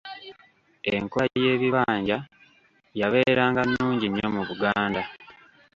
Enkola y’ebibanja yabeera nga nnungi nnyo mu Buganda.